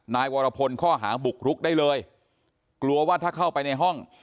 นายวรพลข้อหาบุกรุกได้เลยกลัวว่าถ้าเข้าไปในห้อง